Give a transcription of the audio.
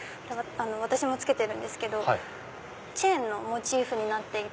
私も着けてるんですけどチェーンのモチーフになっていて。